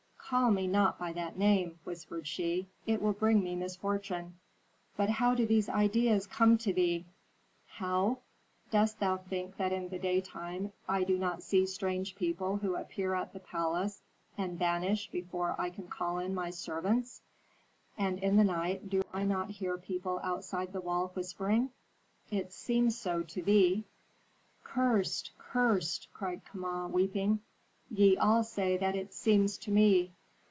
"Call me not by that name!" whispered she; "it will bring me misfortune." "But how do these ideas come to thee?" "How? Dost thou think that in the daytime I do not see strange people who appear at the palace and vanish before I can call in my servants? And in the night do I not hear people outside the wall whispering?" "It seems so to thee." "Cursed! Cursed!" cried Kama, weeping. "Ye all say that it seems to me.